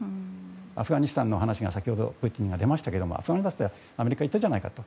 アフガニスタンの話が先ほどＶＴＲで出ましたけどアフガニスタンはアメリカはいったじゃないかと。